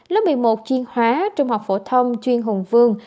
lớp một mươi một chiên hóa trung học phổ thông chuyên hùng vương